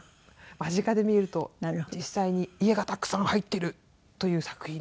間近で見ると実際に家がたくさん入っているという作品です。